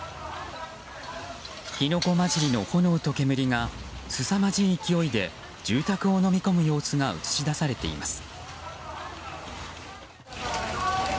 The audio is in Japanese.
火の粉交じりの炎と煙がすさまじい勢いで住宅をのみ込む様子が映し出されています。